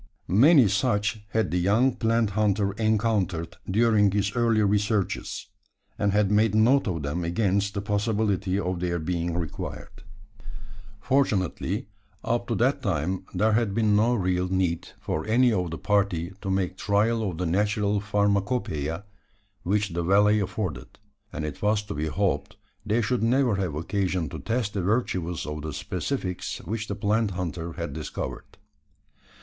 Many such had the young plant hunter encountered during his early researches; and had made note of them against the possibility of their being required. Fortunately, up to that time there had been no real need for any of the party to make trial of the natural Pharmacopoeia which the valley afforded: and it was to be hoped they should never have occasion to test the virtues of the specifics which the plant hunter had discovered.